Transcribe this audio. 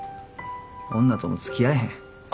女とも付き合えへん。